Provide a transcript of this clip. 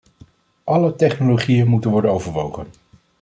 Alle technologieën moeten worden overwogen.